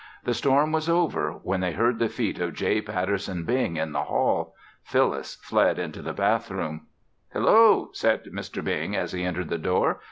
The storm was over when they heard the feet of J. Patterson Bing in the hall. Phyllis fled into the bathroom. "Hello!" said Mr. Bing as he entered the door.